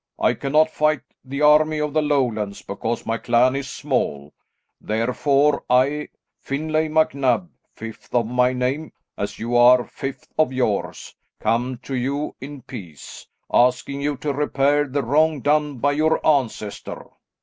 I cannot fight the army of the Lowlands because my clan is small, therefore I, Finlay MacNab, fifth of my name, as you are fifth of yours, come to you in peace, asking you to repair the wrong done by your ancestor."